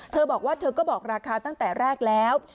เธอบอกว่าเธอก็บอกราคาตั้งแต่แรกแล้ว